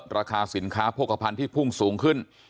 ราคาสินค้าโภคภัณฑ์ที่พุ่งสูงขึ้น